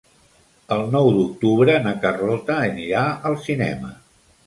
El nou d'octubre na Carlota anirà al cinema.